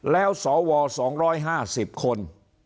แล้วสว๒๕๐คน